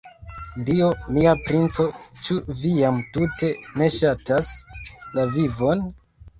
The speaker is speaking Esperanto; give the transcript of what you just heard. Dio mia, princo, ĉu vi jam tute ne ŝatas la vivon?